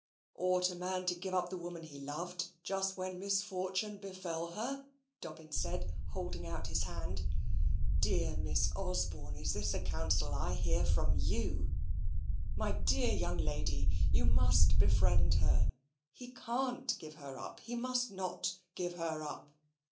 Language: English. "Ought a man to give up the woman he loved, just when misfortune befell her?" Dobbin said, holding out his hand. "Dear Miss Osborne, is this the counsel I hear from you? My dear young lady! you must befriend her. He can't give her up. He must not give her up.